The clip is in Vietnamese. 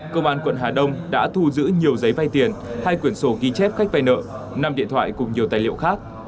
công an quận hà đông đã thu giữ nhiều giấy vay tiền hai quyển sổ ghi chép khách vay nợ năm điện thoại cùng nhiều tài liệu khác